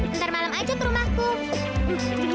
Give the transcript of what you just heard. ntar malam aja ke rumahku